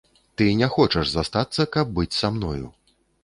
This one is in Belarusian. Ты не хочаш застацца, каб быць са мною.